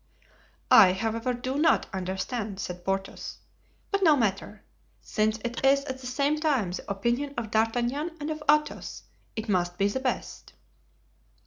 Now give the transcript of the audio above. "I, however, do not understand," said Porthos. "But no matter; since it is at the same time the opinion of D'Artagnan and of Athos, it must be the best."